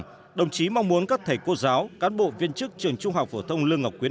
tại lễ khai giảng đồng chí mong muốn các thầy cô giáo cán bộ viên chức trường trung học phổ thông lương ngọc quyến